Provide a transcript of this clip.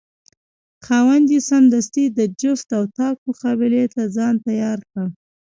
خاوند یې سمدستي د جفت او طاق مقابلې ته ځان تیار کړ.